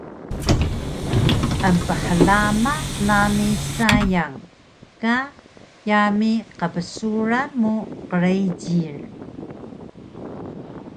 Emphlama nami sayang ka yami qbsuran mu qrijil